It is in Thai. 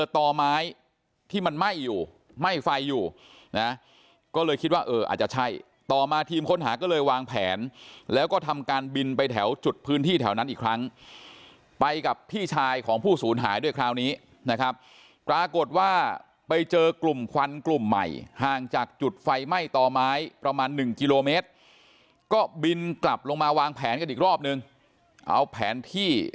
ต่อไม้ที่มันไหม้อยู่ไหม้ไฟอยู่นะก็เลยคิดว่าเอออาจจะใช่ต่อมาทีมค้นหาก็เลยวางแผนแล้วก็ทำการบินไปแถวจุดพื้นที่แถวนั้นอีกครั้งไปกับพี่ชายของผู้สูญหายด้วยคราวนี้นะครับปรากฏว่าไปเจอกลุ่มควันกลุ่มใหม่ห่างจากจุดไฟไหม้ต่อไม้ประมาณหนึ่งกิโลเมตรก็บินกลับลงมาวางแผนกันอีกรอบนึงเอาแผนที่